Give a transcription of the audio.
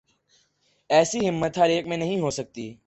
ایسی ہمت ہر ایک میں نہیں ہو سکتی۔